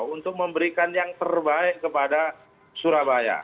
untuk memberikan yang terbaik kepada surabaya